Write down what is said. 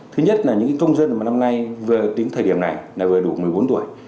thứ nhất là những công dân năm nay về tính thời điểm này vừa đủ một mươi bốn tuổi